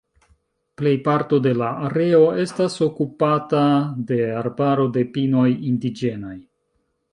Plejparto de la areo estas okupata de arbaro de pinoj indiĝenaj.